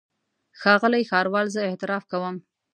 ښاغلی ښاروال زه اعتراف کوم.